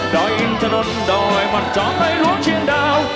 ดอยอินทะนนต์ดอยมันจอมในลวงเชียงดาว